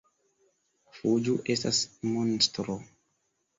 “Fuĝu, estas monstro!”